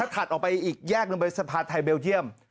ถัดออกไปอีกแยกสะพานไทยเบลเทียม